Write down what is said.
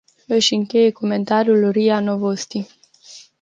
Își încheie comentariul Ria Novosti.